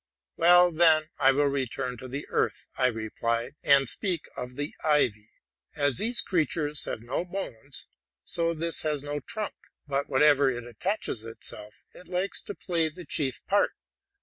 '* Well, then, I will return to the earth,'' I replied, '' and speak of the ivy. As these creatures have no bones, so this has no trunk; but, wherever it attaches itself, it likes to play the chief part.